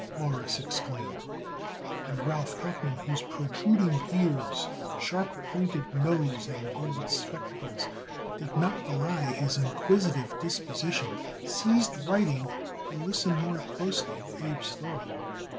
Morris exclaimed, and Ralph Tuchman, whose protruding ears, sharp pointed nose and gold spectacles did not belie his inquisitive disposition, ceased writing to listen more closely to Abe's story.